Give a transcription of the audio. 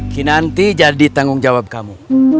kinanti jadi tanggung jawab kamu